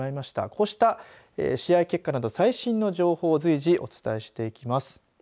こうした試合結果など最新の情報を随時お伝えしていきます。